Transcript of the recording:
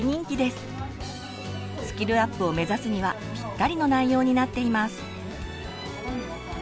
スキルアップを目指すにはぴったりの内容になっています。